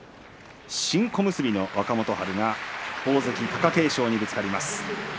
新小結若元春大関貴景勝にぶつかります。